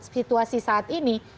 pada situasi saat ini